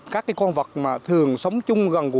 các cái con vật mà thường sống chung gần